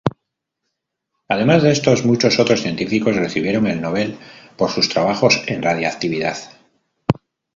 Además de estos, muchos otros científicos recibieron el Nobel por sus trabajos en radiactividad.